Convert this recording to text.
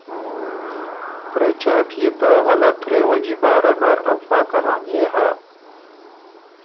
پرېچاک يې ته غلظ رېوجی بارۀ نر افا کهانئے هۀ